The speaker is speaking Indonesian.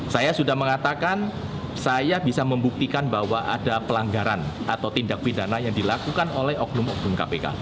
saya sudah mengatakan saya bisa membuktikan bahwa ada pelanggaran atau tindak pidana yang dilakukan oleh oknum oknum kpk